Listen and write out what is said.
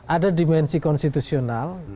ada dimensi konstitusional